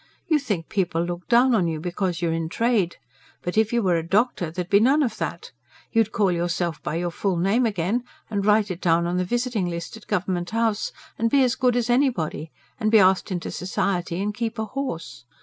You think people look down on you, because you're in trade. But if you were a doctor, there'd be none of that. You'd call yourself by your full name again, and write it down on the visiting list at Government House, and be as good as anybody, and be asked into society, and keep a horse.